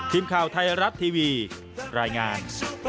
ทีมข่าวไทยรัฐทีวีรายงาน